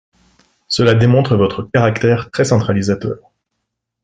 Cela démontre votre caractère très centralisateur.